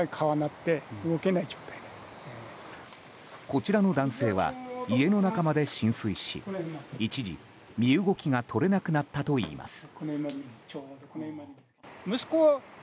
こちらの男性は家の中まで浸水し一時、身動きが取れなくなったといいます。